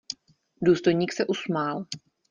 Důstojník se usmál.